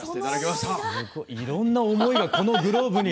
すっごいろんな思いがこのグローブに。